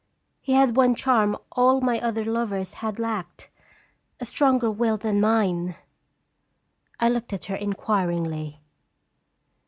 He had one charm all my other lovers had lacked : a stronger will than mine." I looked at her inquiringly.